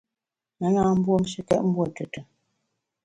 Me na mbuomshekét mbuo tùtù.